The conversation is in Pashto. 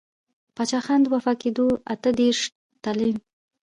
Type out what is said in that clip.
پــاچــاخــان د وفــات کـېـدو اته درېرشم تـلـيـن.